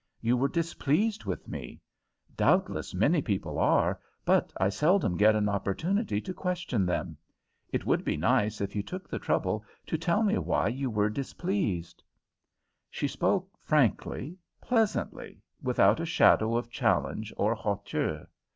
You were displeased with me. Doubtless many people are, but I seldom get an opportunity to question them. It would be nice if you took the trouble to tell me why you were displeased." She spoke frankly, pleasantly, without a shadow of challenge or hauteur.